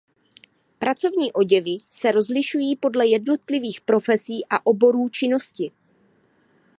Pracovní oděvy se rozlišují podle jednotlivých profesí a oborů činnosti.